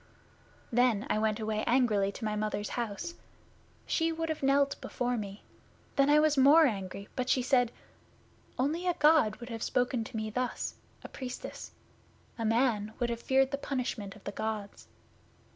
'Then I went away angrily to my Mother's house. She would have knelt before me. Then I was more angry, but she said, "Only a God would have spoken to me thus, a Priestess. A man would have feared the punishment of the Gods."